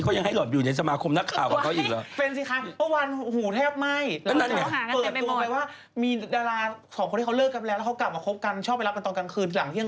โราดปกตินแต่แหล่ะเนี่ยเรื่องชาบ้านไอ้เจ้าบอกสักที